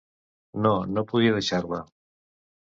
No, no podia deixar-la.